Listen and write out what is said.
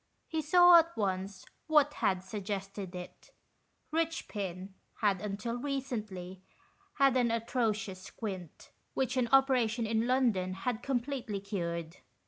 He saw at once what had suggested it. Richpin had until recently had an atrocious squint, which an operation in London had completely cured.